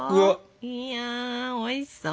いやおいしそう。